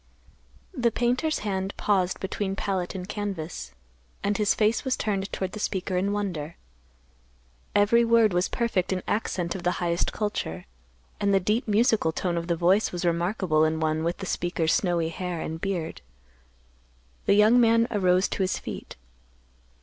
The painter's hand paused between palette and canvas, and his face was turned toward the speaker in wonder. Every word was perfect in accent of the highest culture, and the deep musical tone of the voice was remarkable in one with the speaker's snowy hair and beard. The young man arose to his feet.